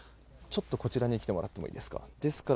こちらに来てもらってもいいですか。